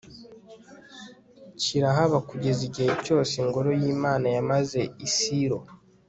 kirahaba kugeza igihe cyose ingoro y'imana yamaze i silo